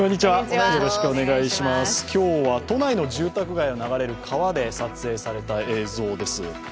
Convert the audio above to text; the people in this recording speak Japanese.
今日は都内の住宅街を流れる川で撮影された映像です。